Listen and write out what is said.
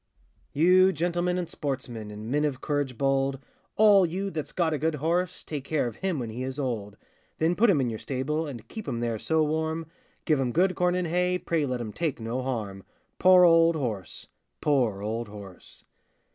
] YOU gentlemen and sportsmen, And men of courage bold, All you that's got a good horse, Take care of him when he is old; Then put him in your stable, And keep him there so warm; Give him good corn and hay, Pray let him take no harm. Poor old horse! poor old horse!